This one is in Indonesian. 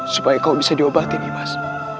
supaya kau bisa diobatin ibas